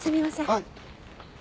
はい？